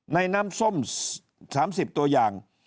น้ำส้ม๓๐ตัวอย่าง